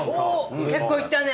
結構いったね。